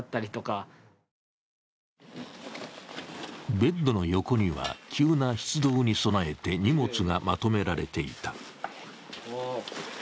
ベッドの横には、急な出動に備えて荷物がまとめられていた。